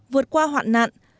vượt qua hoạn nạn